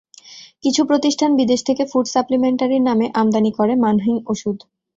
কিছু প্রতিষ্ঠান বিদেশ থেকে ফুড সাপ্লিমেন্টারির নামে আমদানি করে মানহীন ওষুধ।